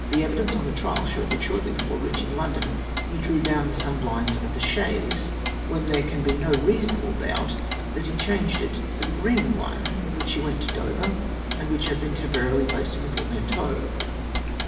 373 evidence on the trial siiowed that shortly before reach ing London he drew down the sun blinds of the chaise, when there can be no reasonable doubt that he changed it for the green one in which lie went to Dover, and wliich had been temporarily placed m the portmanteau.